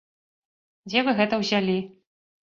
Дзе вы гэта ўзялі?